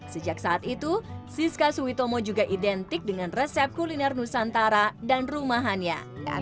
sejak saat itu siska suitomo juga identik dengan resep kuliner nusantara dan rumahannya